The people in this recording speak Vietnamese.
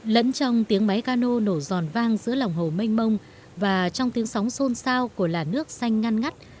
lẫn trong tiếng máy cano nổ giòn vang giữa lòng hồ mênh mông và trong tiếng sóng xôn xao của làn nước xanh ngăn ngắt